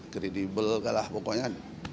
kredibel lah pokoknya